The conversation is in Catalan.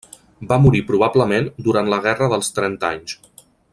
Va morir probablement durant la Guerra dels Trenta Anys.